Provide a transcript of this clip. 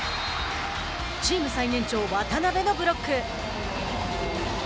チーム最年長渡邉のブロック。